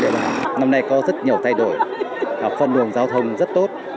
và năm nay có rất nhiều thay đổi phân luồng giao thông rất tốt